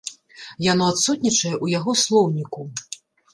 Яно адсутнічае ў яго слоўніку.